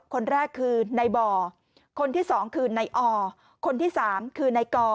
คนแรกคือในบ่อคนที่๒คือในอคนที่๓คือในกอ